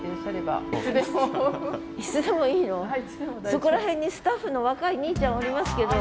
そこら辺にスタッフの若いにいちゃんおりますけど。